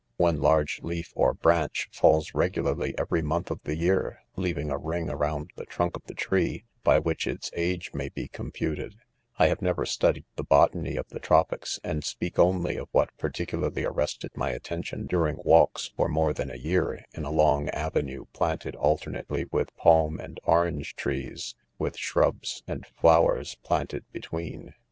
One large leaf, or branch, falls regularly every month of the year, leaving a ring around the trunk of the tree, by which its age may be computed* I have never studied the botany of the tro pics, and speak only of what particularly :arrested my at tention during walks, for more than a year, in a long avenue planted alternately with palm and orange lrees s with shrubs and flowers planted between. 5232 NOTES